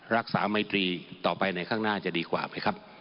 ไมตรีต่อไปในข้างหน้าจะดีกว่าไหมครับ